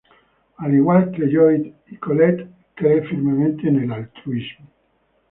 Al igual que Lloyd y Colette, cree firmemente en el altruismo.